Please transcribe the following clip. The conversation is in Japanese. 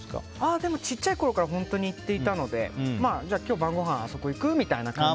でも、小さいころから本当に行っていたので今日、晩ごはんあそこ行く？みたいな。